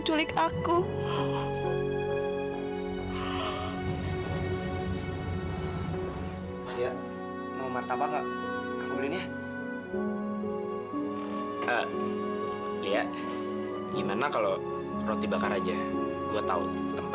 sampai jumpa di video selanjutnya